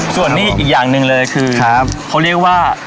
ส่วนนี้อีกอย่างหนึ่งเลยคือเขาเรียกว่า